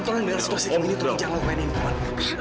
tuan tuan tuan